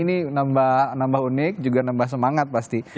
ini nambah unik juga nambah semangat pasti